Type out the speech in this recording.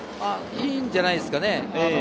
いいんじゃないですか。